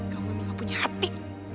kamu gak punya hati